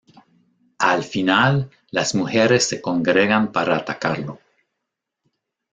Al final, las mujeres se congregan para atacarlo.